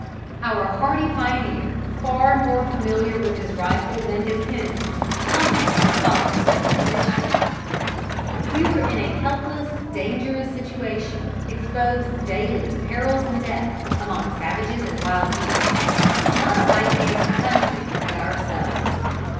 Our hardy pioneer, far more familiar with his rifle than his pen, comments as follows on their condition: "We were in a helpless, dangerous situation; exposed daily to perils and death, among savages and wild beasts. Not a white man in the country but ourselves.